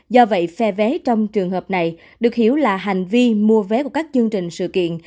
do vậy phe vé trong trường hợp này được hiểu là hành vi mua vé của các chương trình sự kiện